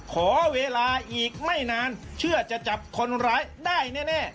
ขอเวลาอีกไม่นานเชื่อจะจับคนร้ายได้แน่